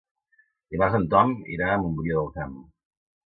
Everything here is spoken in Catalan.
Dimarts en Tom irà a Montbrió del Camp.